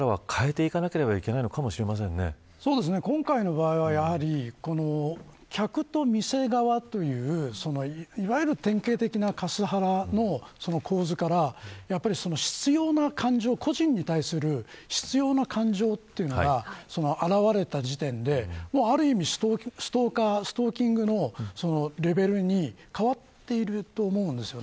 そういったことがこれからは変えていかなければ今回の場合は、やはり客と店側といういわゆる典型的なカスハラの構図から、執拗な感情個人に対する執拗な感情というのが現れた時点である意味、ストーキングのレベルに変わっていると思うんです。